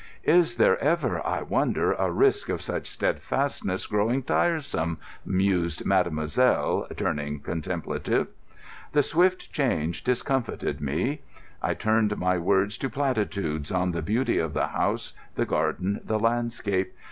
"Is there ever, I wonder, a risk of such steadfastness growing tiresome?" mused mademoiselle, turning contemplative. The swift change discomfited me. I turned my words to platitudes on the beauty of the house, the garden, the landscape.